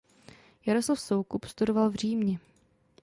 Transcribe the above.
Jaroslav Soukup studoval v Římě.